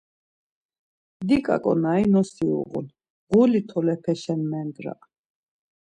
Diǩa ǩonari nosi uğun, ğuli tolepeşen mendra!